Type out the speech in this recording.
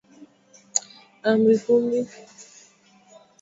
Amri kumi balimupatiaka musa juya kuongoza muntu